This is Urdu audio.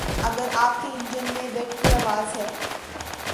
اگر آپ کے انجن میں ویٹ کی آواز ہے